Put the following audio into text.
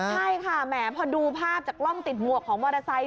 ใช่ค่ะแหมพอดูภาพจากกล้องติดหมวกของมอเตอร์ไซค